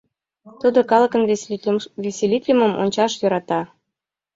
Тудо калыкын веселитлымым ончаш йӧрата.